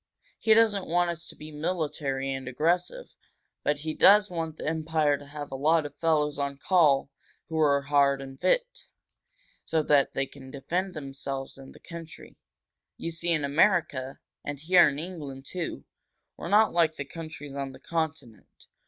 He doesn't want us to be military and aggressive, but he does want the Empire to have a lot of fellows on call who are hard and fit, so that they can defend themselves and the country. You see, in America, and here in England, too, we're not like the countries on the Continent.